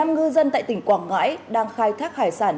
một mươi năm ngư dân tại tỉnh quảng ngãi đang khai thác hải sản trên vùng